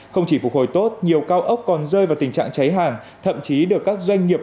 không chỉ phục hồi tốt nhiều cao ốc còn rơi vào tình trạng cháy hàng thậm chí được các doanh nghiệp